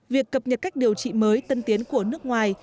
việc cập nhật cách điều trị mới tân tiến của nước ngoài